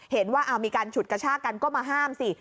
เห็นว่ามีการฉุดกระชากันก็มาห้ามสิ